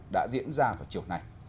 đã diễn ra vào chiều nay